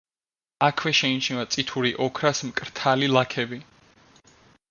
აქვე შეიმჩნევა წითური ოქრას მკრთალი ლაქები.